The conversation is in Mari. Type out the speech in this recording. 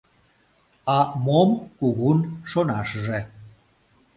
— А мом кугун шонашыже?